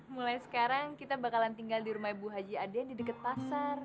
mulai sekarang kita bakalan tinggal di rumah ibu haji ade yang di deket pasar